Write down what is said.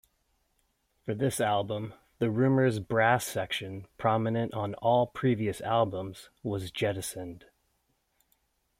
For this album, The Rumour's brass section, prominent on all previous albums, was jettisoned.